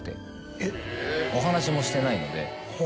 お話もしてないので。